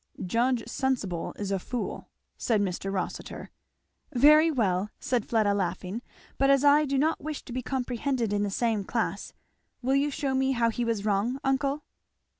"Judge Sensible is a fool!" said Mr. Rossitur. "Very well!" said Fleda laughing; "but as I do not wish to be comprehended in the same class, will you shew me how he was wrong, uncle?"